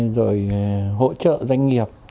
rồi hỗ trợ doanh nghiệp